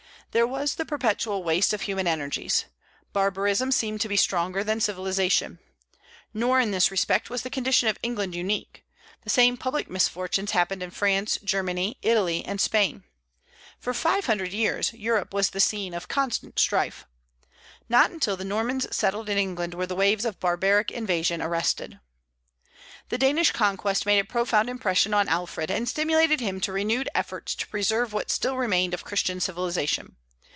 There was the perpetual waste of human energies. Barbarism seemed to be stronger than civilization. Nor in this respect was the condition of England unique. The same public misfortunes happened in France, Germany, Italy, and Spain. For five hundred years Europe was the scene of constant strife. Not until the Normans settled in England were the waves of barbaric invasion arrested. The Danish conquest made a profound impression on Alfred, and stimulated him to renewed efforts to preserve what still remained of Christian civilization.